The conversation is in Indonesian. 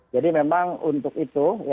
jadi memang untuk itu